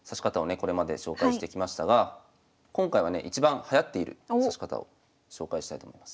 これまで紹介してきましたが今回はね一番はやっている指し方を紹介したいと思います。